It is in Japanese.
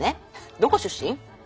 どこ出身？